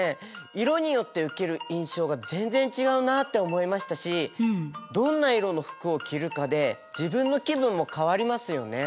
色によって受ける印象が全然違うなって思いましたしどんな色の服を着るかで自分の気分も変わりますよね。